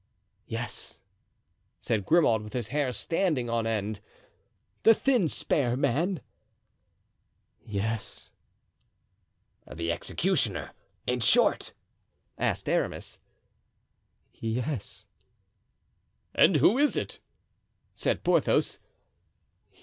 "Yes," said Grimaud, with his hair standing on end. "The thin, spare man?" "Yes." "The executioner, in short?" asked Aramis. "Yes." "And who is it?" said Porthos.